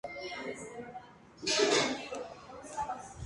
Aprendió a tocar el piano y la guitarra en la adolescencia de forma autodidacta.